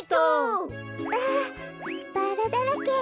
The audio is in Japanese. わあバラだらけ。